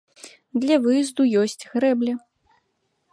Для выезду ёсць грэбля.